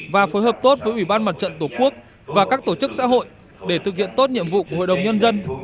và phối hợp tốt với ủy ban mặt trận tổ quốc và các tổ chức xã hội để thực hiện tốt nhiệm vụ của hội đồng nhân dân